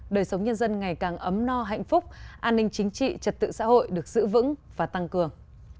đời sống nhân dân ngày càng ấm no hạnh phúc an ninh chính trị trật tự xã hội được giữ vững và tăng cường